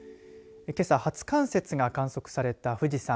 けさ初冠雪が観測された富士山。